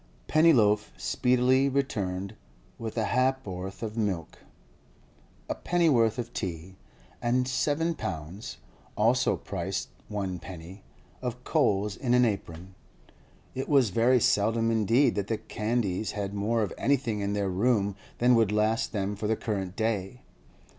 Pennyloaf speedily returned with a ha'p'orth of milk, a pennyworth of tea, and seven pounds (also price one penny) of coals in an apron. It was very seldom indeed that the Candys had more of anything in their room than would last them for the current day.